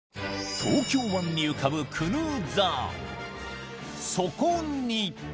東京湾に浮かぶクルーザーそこに！